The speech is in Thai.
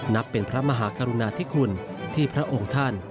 นับเป็นพระมหากรุณาธิคุณที่พระองค์ท่าน